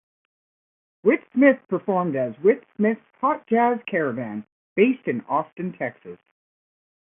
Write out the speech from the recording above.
Whit Smith performed as Whit Smith's Hot Jazz Caravan, based in Austin, Texas.